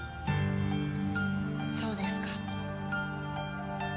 そうですか。